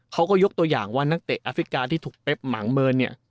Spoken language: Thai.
เขาก็ยกตัวอย่างว่านักเตะแอฟริกาที่ถูกเป๊บหมางเมินเนี่ย